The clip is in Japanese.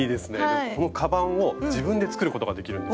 このカバンを自分で作ることができるんですよ。